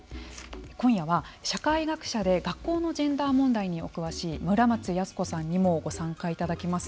今夜は社会学者で学校のジェンダー問題にお詳しい村松泰子さんにもご参加いただきます。